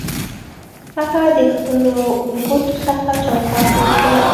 هغه د خپلو ګوتو څخه چوکاټ جوړ کړ